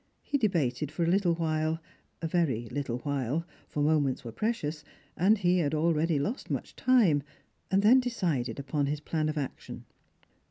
He debated for a little while — a very little while — for moments were precious, and he had already lost much time, an^i 'ohen decided upon his plan of action.